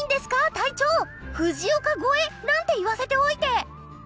隊長藤岡超えなんて言わせておいて！？